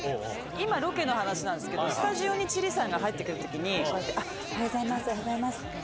今、ロケの話なんですけど、スタジオにチリさんが入ってくるときに、こうやって、おはようございます、おはようございますって。